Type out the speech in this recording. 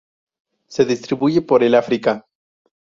Se distribuye por el África.